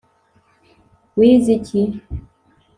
wize iki